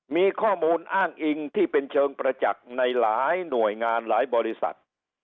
มีข้อมูลอ้างอิงที่เป็นเชิงประจักษ์ในหลายหน่วยงานหลายบริษัท